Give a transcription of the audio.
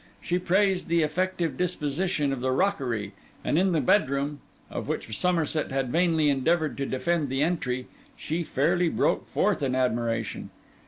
She praised the effective disposition of the rockery, and in the bedroom, of which Somerset had vainly endeavoured to defend the entry, she fairly broke forth in admiration.